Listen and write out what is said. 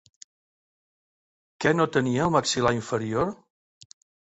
Què no tenia el maxil·lar inferior?